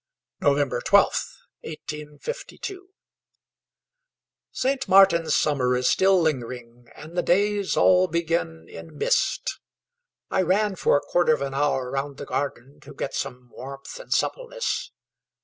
November 12th, 1852. St. Martin's summer is still lingering, and the days all begin in mist. I ran for a quarter of an hour round the garden to get some warmth and suppleness.